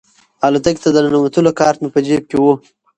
الوتکې ته د ننوتلو کارت مې په جیب کې و.